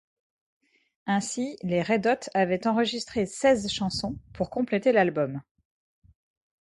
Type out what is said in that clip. Ainsi les Red Hot avaient enregistré seize chansons pour compléter l'album.